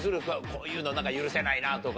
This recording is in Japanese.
こういうの許せないなとか。